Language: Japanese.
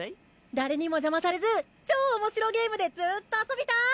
誰にも邪魔されず超おもしろゲームでずっと遊びたい！